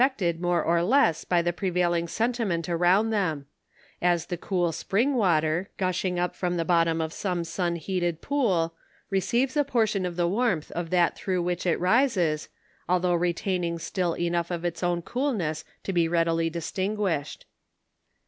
ected more or less by the prevailing sentiment around them ; as the cool spring water, gushing up from the bottom of some sun heated pool, receives a portion of the warm'th of that through which it rises, although retaining still enough of its own coolness to be readily distinguished.